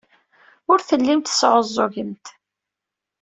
Ur tellimt tesɛuẓẓugemt.